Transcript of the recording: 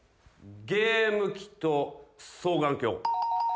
ゲーム機と双眼鏡。